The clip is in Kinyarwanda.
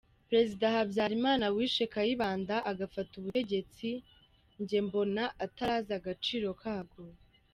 Perezida Habyarimana wishe Kayibanda agafata ubutegetsi njye mbona atari azi agaciro kabwo